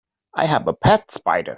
I have a pet spider.